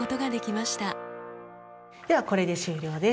ではこれで終了です。